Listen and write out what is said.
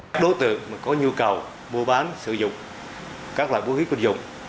các đối tượng có nhu cầu mua bán sử dụng các loại vũ khí quân dụng